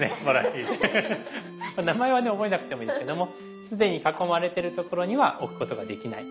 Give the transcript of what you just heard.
名前はね覚えなくてもいいですけども既に囲まれてるところには置くことができない。